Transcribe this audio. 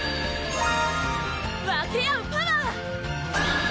分け合うパワー！